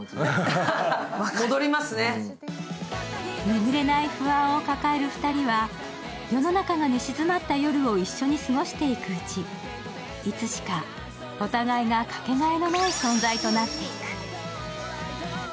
眠れない不安を抱える２人は世の中が寝静まった夜を一緒に過ごしていくうちいつしかお互いがかけがえのない存在となっていく。